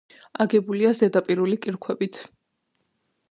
აგებულია ზედაიურული კირქვებით.